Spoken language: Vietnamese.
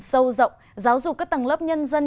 sâu rộng giáo dục các tầng lớp nhân dân